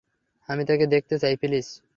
আমি তাকে দেখতে চাই, প্লীজ।